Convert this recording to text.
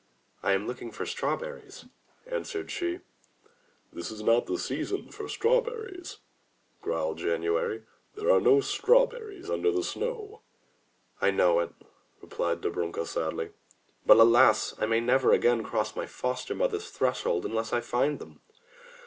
"I am looking for strawberries," answered she. 148 THROUGH FAIRY HALLS "This is not the season for strawberries," growled January, "there are no strawberries under the snow/' "I know it/' replied Dobrunka sadly, "but alas! I may never again cross my foster mother's threshold, unless I find them."